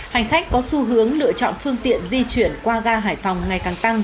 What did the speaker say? hành khách có xu hướng lựa chọn phương tiện di chuyển qua gà hải phòng ngày càng tăng